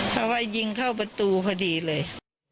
เพราะว่ายิงเข้าประตูพอดีเลย